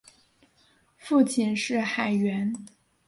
父亲是海员。